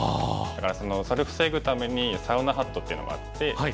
だからそれを防ぐためにサウナハットっていうのがあって。